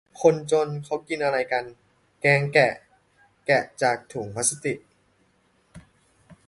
คนจนเขากินอะไรกัน แกงแกะ แกะจากถุงพลาสติก